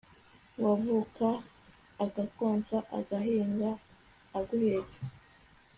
wavuka akakonsa agahinga aguhetse